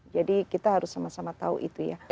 jadi kita harus sama sama tahu itu ya